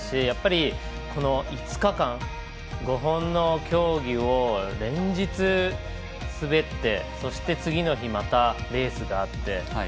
やっぱりこの５日間５本の競技を連日滑ってそして次の日またレースがあって。